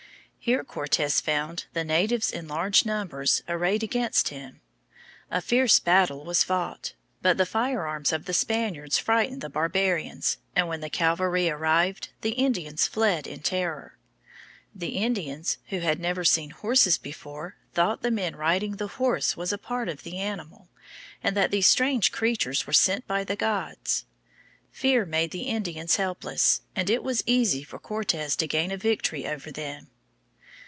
Here Cortes found the natives in large numbers arrayed against him. A fierce battle was fought. But the firearms of the Spaniards frightened the barbarians, and when the cavalry arrived the Indians fled in terror. The Indians, who had never seen horses before, thought the man riding the horse was a part of the animal, and that these strange creatures were sent by the gods. Fear made the Indians helpless, and it was easy for Cortes to gain a victory over them.